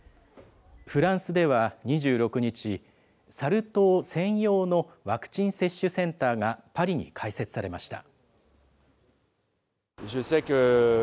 フランスでは２６日、サル痘専用のワクチン接種センターがパリに開設されました。